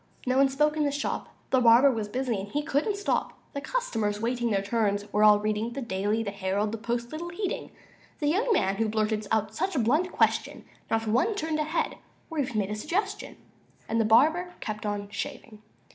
No one spoke in the shop, The barber was busy, and he couldn't stop; The customers, waiting their turns, were all reading The "Daily," the "Herald," the "Post," little heeding The young man who blurted out such a blunt question; Not one raised a head, or even made a suggestion; And the barber kept on shaving.